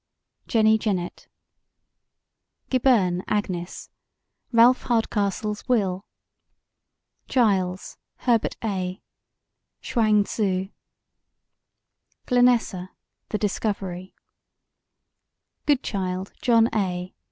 Jenny Jennet GIBERNE, AGNES: Ralph Hardcastle's Will GILES, HERBERT A: Chuang Tzu GLENESSA: The Discovery GOODCHILD, JOHN A.